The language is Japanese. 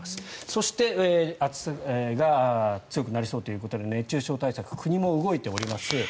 そして暑さが強くなりそうということで熱中症対策国も動いております。